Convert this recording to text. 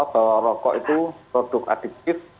bahwa rokok itu produk adiktif